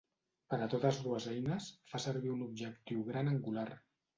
Per a totes dues eines fa servir un objectiu gran angular.